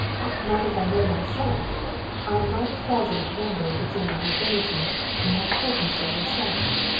"Not if I know myself! I am not a fraudulent member of the German nobility you have told me so yourself.